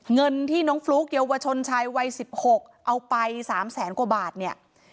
เงินที่น้องฟลุ๊กเยาวชนชายวัย๑๖เอาไป๓แสนกว่าบาทเนี่ย